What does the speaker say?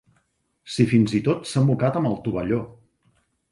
Si fins i tot s'ha mocat amb el tovalló!